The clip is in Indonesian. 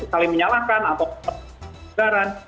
saling menyalahkan atau keputusan pengegaran